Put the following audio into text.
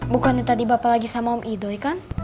bukannya tadi bapak lagi sama om idoi kan